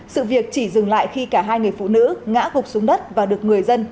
sự việc chỉ dừng lại khi cả hai người phụ nữ ngã gục xuống đất và được người dân